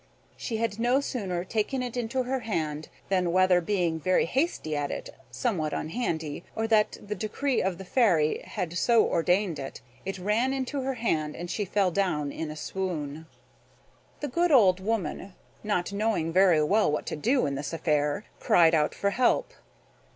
She had no sooner taken it into her hand than, whether being very hasty at it, somewhat unhandy, or that the decree of the Fairy had so ordained it, it ran into her hand, and she fell down in a swoon. The good old woman, not knowing very well what to do in this affair, cried out for help.